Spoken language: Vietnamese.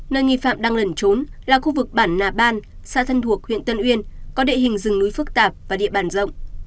nơi nghi phạm đang lẩn trốn là khu vực bản nà ban xa thân thuộc huyện tân uyên có địa hình rừng núi phức tạp và địa bàn rộng